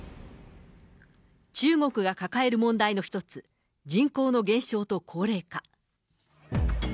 中国が抱える問題の一つ、人口の減少と高齢化。